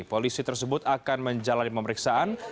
polisi tersebut akan menjalani pemeriksaan